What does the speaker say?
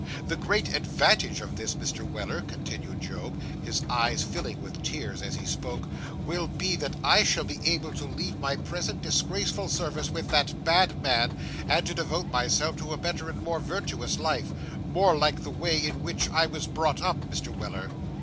'The great advantage of this, Mr. Weller,' continued Job, his eyes filling with tears as he spoke, 'will be, that I shall be able to leave my present disgraceful service with that bad man, and to devote myself to a better and more virtuous life; more like the way in which I was brought up, Mr. Weller.